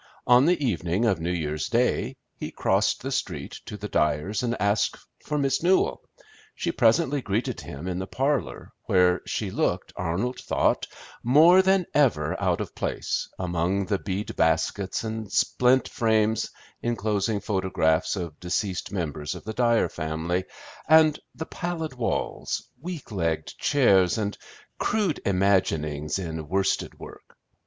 On the evening of New Year's Day he crossed the street to the Dyers' and asked for Miss Newell. She presently greeted him in the parlor, where she looked, Arnold thought, more than ever out of place, among the bead baskets, and splint frames inclosing photographs of deceased members of the Dyer family, and the pallid walls, weak legged chairs, and crude imaginings in worsted work.